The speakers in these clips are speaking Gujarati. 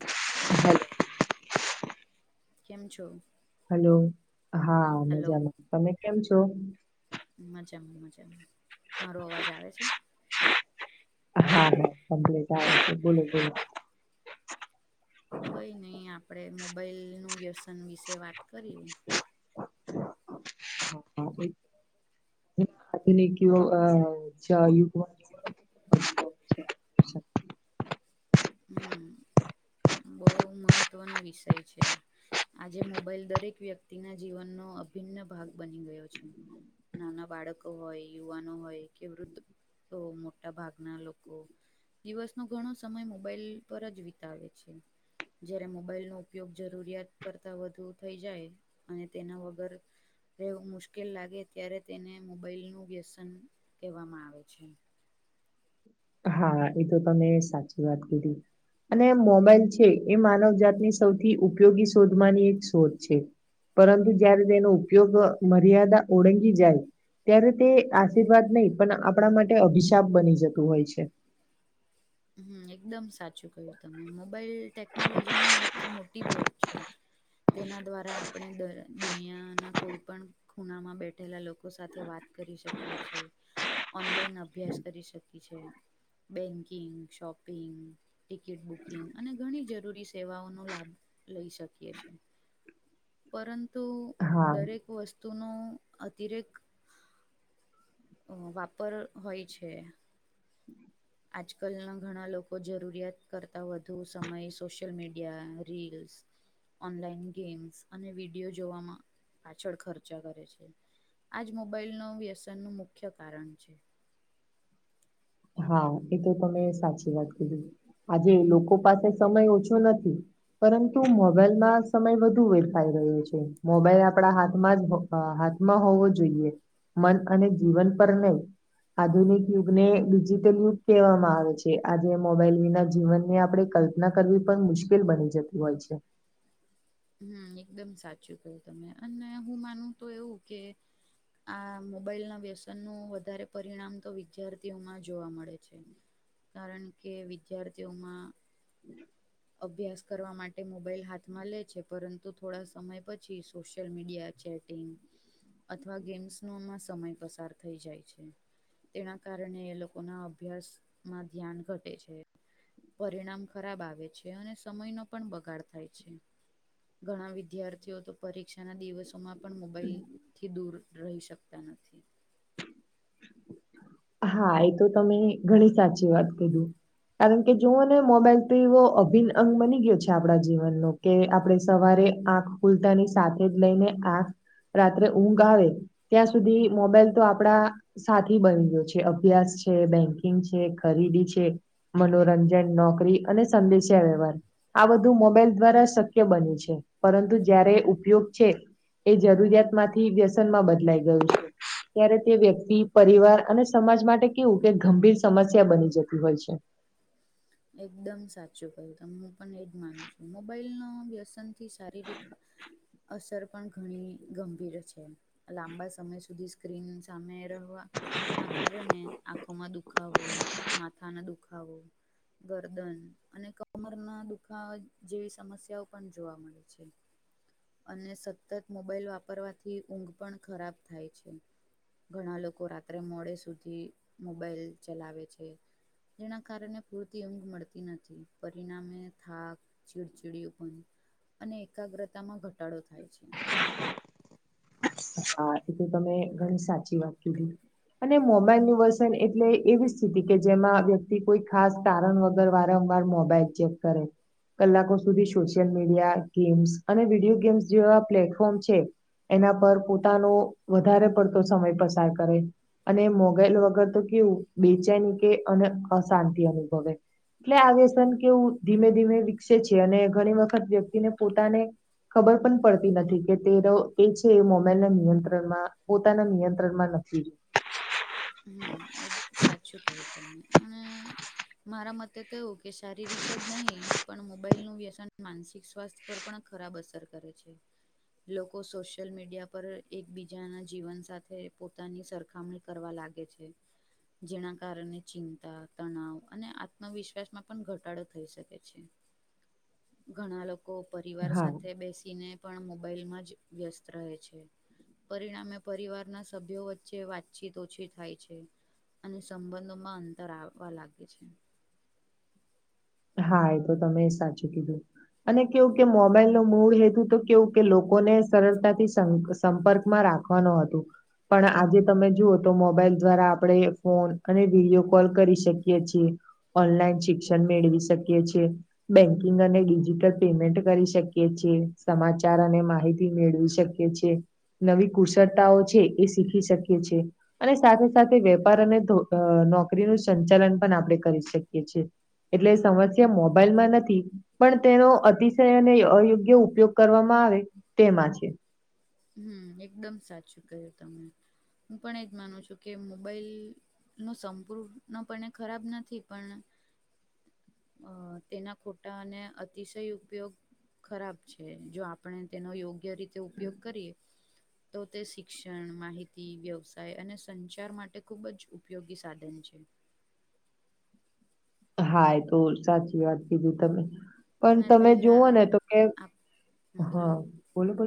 હા [unintelligible] કેમ છો હલો હા [inaudible] હલો મજામાં તમે કેમ છો મજામાં મજામાં [inaudible] મારો અવાજ આવે છે હા હા કમ્પ્ટ આવે છે બોલો બોલો. કઈ નઈ આપણેે મોબાઈલ નું વ્યસન વિશે વાત કરી. એને એને કયું [unintelligible] હમમ [inaudible] બહુ મહત્વનો વિષય છે આજે મોબાઈલ દરેક વ્યક્તિના જીવનનો અભિન્ન ભાગ બની ગયો છે. નાના બાળકો હોય યુવાનો હોય કે વૃદ્ધો તો મોટા ભાગના લોકો દિવસ નો ઘણો સમય મોક મોબાઈલ પર જ વિતાવે છે જયારે મોબાઈલનો ઉપયોગ જરૂરિયાત કરતા વધુ થઈ જાય અને તેના વગર રહેવું મુશ્કેલ લાગે ત્યારે તેને મોબાઈલનું વ્યસન કહેવામાં આવે છે હા એ તો તમે સાચી વાત કીધી અને મોબાઈલ છે એ માનવજાતની ઉપયોગી શોધમાંની એક શોધ છે પરંતુ જયારે તેનો ઉપયોગ મર્યાદા ઓળંગી જાય ત્યારે તે આશીર્વાદ નહી પણ આપણા માટે અભિશાપ બની જતું હોય છે. હમ એકદમ સાચું કહ્યું તમે મોબાઈલ ટેકનોલોજીની એક મોટી ભેટ છે તેના દ્વારા આપણે દર દુનિયાના કોઈ પણ ખૂણામાં બેઠેલા લોકો સાથે વાત કરી શકીએ છે ઓનલાઈન અભ્યાસ કરી શકી છે બેંકિંગ શોપિંગ. ટિકિટ બુકિંગ અને ઘણી જરૂરી સેવાઓનો લાભ લઈ શકીએ છીએ. પરંતુ હા દરેક વસ્તુનો અતિરેક અ વાપર હોય છે આજકાલના ઘણા લોકો જરૂરિયાત કરતાં વધુ સમય social media reels online games અને વિડીયો જોવામાં પાછળ. ખચા કરે છે. આજ મોબાઈલ નો વ્યસન નું મુખ્ય કારણ છે હા એ તો તમે સાચી વાત કીધી આજે લોકો પાસે સમય ઓછો નથી પરંતુ મોબાઈલમાં સમય વધુ વેડફાઇ રહ્યો છે મોબાઈલ આપણા હાથમાં જ હો હ હાથમાં હોવો જોઈએ મન અને જીવન પર નહી. આધુનિક યુગને બીજી યુગ કહેવામાં આવે છે આજે મોબાઈલ વિના જીવનને આપણે કલ્પના કરવી પણ મુશ્કેલ બની જતી હોય છે. હમ એકદમ સાચું કું તમે અને હું માનું તો એવું કે આ મોબાઈલ ના વ્યસનનું વધારે પરિણામ તો વિદ્યાર્થીઓમાં જોવા મળે છે કારણ કે વિદ્યાર્થીઓમાં અભ્યાસ કરવા માટે મોબાઈલ હાથમાં લે છે પરંતુ થોડા સમય પછી સોશિયલ મીડિયા ચેટ [unintelligible] અથવા ગેમ્સ નોમાં સમય પસાર થઈ જાય છે. તેના કારણે એ લોકોના અભ્યાસ માં ધ્યાન ઘટે છે. પરિણામ ખરાબ આવે છે અને સમયનો પણ બગાડ થાય છે. ઘણા વિદ્યાર્થીઓ તો પરીક્ષાના દિવસોમાં પણ મોબાઈલ થી દૂર રહી શક તા નથી. હા એ તો તમે ઘણી સાચી વાત કીઘી. કારણ કે જોઓને મોબાઈલ તો એવો [unintelligible] અંગ બની ગયો છે આપણા જીવનનો કે આપણે સવારે આંખ ખુલતાની સાથે જ લઈને આંખ રાત્રે ઊંઘ આવે ત્યાં સુધી મોબાઈલ તો આપડા સાથી બની ગ્યો છે. કે અભ્યાસ છે બેન્કિંગ છે ખરીદી છે. મનોરંજન નોકરી અને [unintelligible] વ્યવહાર. આ બધું મોબાઈલ દ્વારા શક્ય બન્યું છે પરંતુ જ્યારે ઉપયોગ છે. એ જરૂરિયાત માંથી વ્યસનમાં બદલાઈ ગયું છે ત્યારે તે વ્યક્તિ પરિવાર અને સમાજ માટે કેવું કે ગંભીર સમસ્યા બની જતી હોય છે. એકદમ સાચું કહ્યું તમે હું પણ એજ માનું છું મોબાઈલ નો વ્યસન થી શારીરિક અસર પણ ઘણી ગંભીર છે લાંબા સમય સુધી સ્ક્રીન સામે રેહવા ના કારણે આંખોમાં દુખાવો માથાના દુખાવો ગરદન અને કમર ના દુખાવા જેવી સમસ્યાઓ પણ જોવા મળે છે. અને સતત મોબાાઈલ વાપરવાથી ઊંઘ પણ ખરાબ થાય છે. ઘણા લોકો રાત્રે મોડે સુધી મોબાઈલ ચલાવે છે. જેના કારણે પૂરતી ઊંઘ મળતી નથી પરિણામે થાક [unintelligible] અને એકાગ્રતામાં ઘટાડો થાય છે. હા એ તો તમે ઘણી સાચી વાત કીધી. અને મોબાઈલ નું વર્સન એટલે એવી સ્થિતિ કે જેમાં વ્યક્તિ કોઈ ખાસ કારણ વગર વારંવાર મોબાઈલ ચેક કરે. કલાકો સુધી સોશિયલ મીડિયા ગેમ્સ અને વિડીયો ગેમ્સ જેવા પ્લેટફોર્મ છે. એના પર પોતાનો વધારે પડતો સમય પસાર કરે. અને મોગાઈલ વગર તો કેવું બેચેની કે અને અશાંતિ અનુભવે. એટલે આ વ્યસન કેવું ધીમે ધીમે વિકસે છે અને ઘણી વખત વ્યક્તિને પોતાને ખબર પણ પડતી નથી કે તે [unintelligible] એજ છે એ મો [unintelligible] નિયંત્રણમાં પોતાના નિયંત્રણમાં નથી. હમ્મ એ સાચું કહ્યું તમે [unintelligible] મારા મતે તો એવું કે શારીરિક જ નહીં પણ મોબાઈલનું વ્યસન માનસિક સ્વાસ્થ પર પણ ખરાબ અસર કરે છે. લોકો સોશિયલ મીડિયા પર એકબીજાના જીવન સાથે પોતાની સરખામણી કરવા લાગ ગે છે. જેના કારને ચિંતા તનાવ અને આત્મવિશ્વાસમાં પણ ઘટાડો થઈ શકે છે. ઘણા લોકો પરિવાર હા સાથે બેસીને પણ મોબાઈલમાં જ વ્યસ્ત રહે છે. પરિણામે પરિવારના સભ્યો વચ્ચે વાતચીત ઓછી થાય છે, ને સંબંધોમાં અંતર આવવા લાગે છે. હા એ તો તમે સાચું કીધું અને કેવું કે મોબાઈલનો મૂળ હેતુ તો કેવું કે લોકોને સરળતાથી શં સંપકૅમા રાખવાનું હતું. પણ આજે તમે જુઓ તો મોબાઈલ દ્વારા આપણેે ફોન અને વડીયો કોલ કરી શકીએ છીએ ઓનલાઈન શિક્ષણ મેળવી શકીએ છે. બેન્કિંગ અને ડિજિટલ પેમેન્ટ કરી શકીએ છીએ સમાચાર અને માહિતી મેળવી શ કીએ છે, નવી કુશળતાઓ છે, એ શીખી શકીએ છે. અને સાથે સાથે વેપાર અને ધો અ નોકરીનું સંચાલન પણ આપણે કરી શકીએ છે. એટલે સમસ્યા મોબાઈલમાં નથી. પણ તેનો અતિશય અને અયોગ્ય ઉપયોગ કરવામાં આવે તેમાં છે. હમ એકદમ સાચું ક્યું તમે હું પણ એજ માનું છું કે મોબાઈલ નું સંપૂર્ણપણે ખરાબ નથી પણ અ તેના ખોટા અને અતિશય ઉપયોગ ખરાબ છે, જો આપણે તેનો યોગ્ય રીતે ઉપયોગ કરીએ. તો તે શિક્ષણ, માહિતી, વ્યવસાય અને સંચાર માટે ખુબ જ ઉપયોગી સાધન છે. હા એ તો સાચી વાત કીધી તમે પણ અને તમે પહેલા જોવો ને તો કે આપ હ બોલો બોલો બો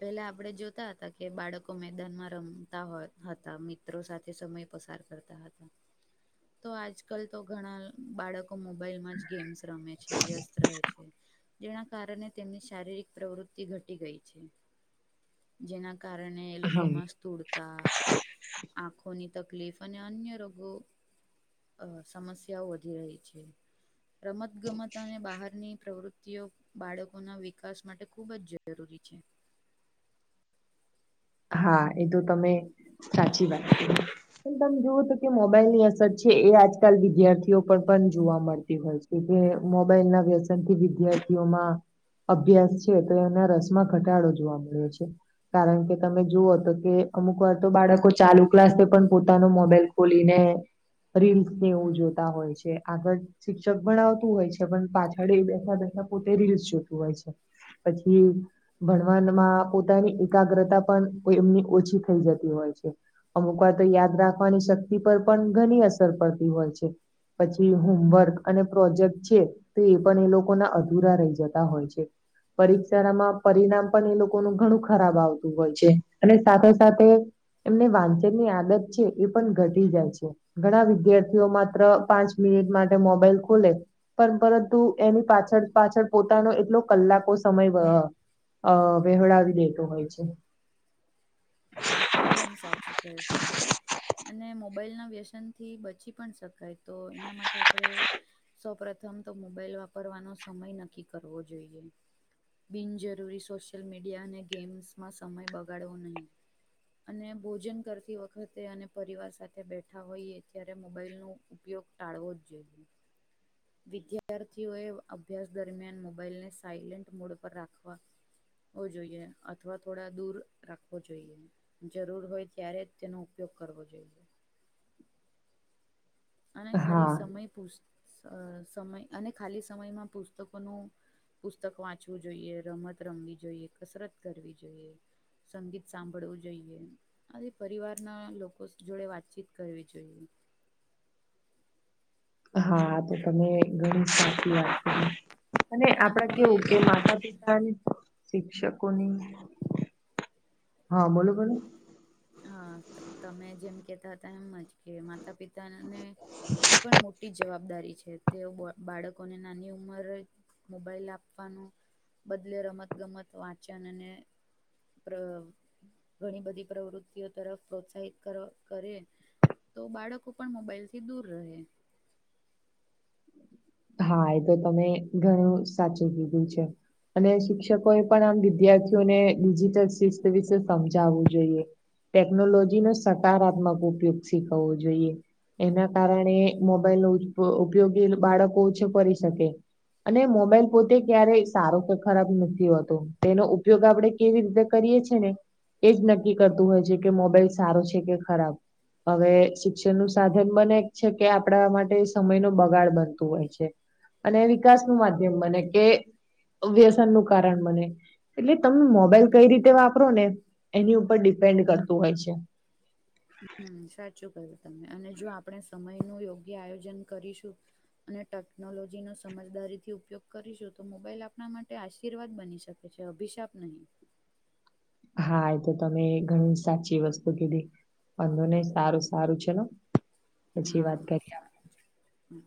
પેલા આપડે જોતા હતા કે બાળકો મેદાનમાં રમતા હ હતા મિત્રો સાથે સમય પસાર કરતા હતા તો આજકાલ તો ઘણા બાળકો મોબાઇલમા જ ગેમ્સ રમે છે, વ્યસ્ત રહેે છે. જેના કારણે તેમની શારીરિક પ્રવૃતિ ઘટી ગઈ છે. જેના કારણે એ લોકો મસ ધૂળતા આંખોની તકલીફ અને અન્ય રોગો અ સમસ્યાઓ વધી રહી છે. રમતગમત અને બહારની પ્રવૃત્તિઓ બાળકોના વિકાસ માટે ખુબ જ જરૂરી છે. હા એ તો તમે સાચી વાત પણ તુમે જોવો તો કે મોબાઈલની અસર છે, એ આજકાલ વિદ્યાર્થીઓ પણ પણ જોવા મળતી હોય છે, કે મોબાઈલના વ્યસનથી વિદ્યાર્થીઓમાં અભ્યાસ છે, તો એના રસમાં ઘટાડો જોવા મળ્યો છે, કારણ કે તમે જુઓ તો કે અમુક વાર તો બાળકો ચાલુ ક્લાસે પણ પોતાનો મોબાઈલ ખોલીને રીલ્સ ને એવું જોતા હોય છે, આગળ શિક્ષક ભણાવતું હોય છે, પણ પાછળ એ બેઠા બેઠા પોતે રીલ્સ જોતું હોય છે. પછી ભણવાનમાં પોતાની એકાગ્રતા પણ કોઈ એમની ઓછી થઈ જતી હોય છે. અમુક વાર તો યાદ રાખવાની શક્તિ પર પણ ઘની અસર પડતી હોય છે. પછી હોમવર્ક અને પ્રોજેક્ટ છે. તો એ પણ એ લોકો ના અધુરા રહી જતા હોય છે. પરીક્ષાનામાં પરિણામ પણ એ લોકો નું ઘણું ખરાબ આવ તુ હોય છે, અને સાથે સાથે એમને વાંચનની આદત છે, એ પણ ઘટી જાય છે. ઘણા વિદ્યાર્થીઓ માત્ર પાંચ મિનિટ માટે મોબાઈલ ખોલે પણ પરંતુ એની પાછળ પાછળ પોતાનો એટલો કલાકો સમય [unintelligible] અ વહેવડાવી દેતો હોય છે. એકદમ સાચું ક્યું તમે અને મોબાઈલના વ્યસનથી બચી પણ શકાય તો એના માટે આપણે સૌ પ્રથમ તો મોબાઈલ વાપરવાનો સમય નક્કી કરવો જોઈએ. બિનજરૂરી સોશિયલ મીડિયા અને ગેમ્સમાં સમય બગાડવો નહીં. અને ભોજન કરતી વખતે અને પરિવાર સાથે બેઠા હોઈએ ત્યારે મોબાઈલ નો ઉપયોગ ટાળવો જ જોઈએ. વિદ્યાર્થીઓએ અભ્યાસ દરમિયાન મોબાાઈલને સાયલેન્ટ મોડ પર રાખવા. જોઈએ અથવા થોડા દૂર રાખવો જોઈએ. જરૂર હોય ત્યારે જ તેનો ઉપયોગ કરવો જોઈએ. અને ખાલી હા સમય અ સમય અને ખાલી સમયમાં પુસ્તકોનું પુસ્તક વાંચવું જોઈએ, રમત રમવી જોઈએ, કસરત કરવી જોઈએ. સંગીત સાંભળવું જોઈએ. આવી પરિવારના લોકો જોડે વાતચીત કરવી જોઈએ. હા, આ તો તમે ઘણી સાચી વાત કરી અને હું આપડા તો એ કેવું કે માતા પિતા [unintelligible] શિક્ષકોની હા બોલો બેન. હા, તમે જેમ કેતા હતા એમ જ કે માતા પિત તા અને હું પણ મોટી જવાબ દરી છે તે ઓ બાળકોને નાની ઉંમરે મોબાઈલ આપવાનો બદલે રમત ગમત, વાંચન અને પ્ર ઘણી બધી પ્રવૃત એ તરફ પ્રોત્સાહિત કર કરે તો બાળકો પણ મોબાઈલથી દૂર રહે. હા એ તો તમે ઘણું સાચું કીધું છે. અને શિક્ષકો એ પણ વિદ્યાર્થીઓને ડિજીિટલ શિસ્ત વિશે સમજાવવું જોઈએ. ટેકનોલોજી નો સકારાત્મક ઉપયોગ શીખવવો જોઈએ. એના કારણે મોબાઈલ નો ઉપ ઉપયોગી બાળકો ઓછો કરી શકે. અને મોબાઈલ પોતે ક્યારેય સારો કે ખરાબ નથી હોતો તેનો ઉપયોગ આપડે કેવી રીતે કરીએ છે ને એજ નક્કી કરતું હોય છે કે મોબાઈલ સારો છે કે ખરાબ. હવે શિક્ષણ નું સાધન બને જ છે કે આપણા માટે સમય નો બગાડ બનતું હોય છે. અને વિકાસ નું માધ્યમ બને કે વ્યસન નું કારણ બને. એટલે તમે મોબાઈલ કઈ રીતે વાપરો ને એની ઉપર ડિપેન્ડ કરતું હોય છે. હમ્મ, સાચું ક્યું તમે અને જો આપણે સમય નું યોગ્ય આયોજન કરીશું અને ટેકનોલોજીનો સમજદારી થી ઉપયોગ કરીશું તો મોબાઈલ આપણા માટે આશીર્વાદ બની શકે છે અભિશાપ નય. હા, એ તો તમે ઘણું સાચી વસ્તુ કીધી. વાંધો નય સારું સારું છે ને. હા હા, સારું છે હ.